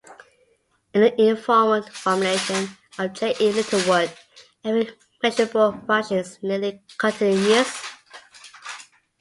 In the informal formulation of J. E. Littlewood, "every measurable function is nearly continuous".